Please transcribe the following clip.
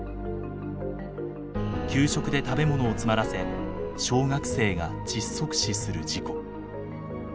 給食で食べ物を詰まらせ小学生が窒息死する事故。